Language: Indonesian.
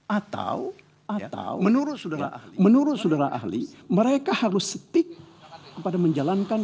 atau menurut saudara ahli mereka harus setik pada menjalankan kewenangan ini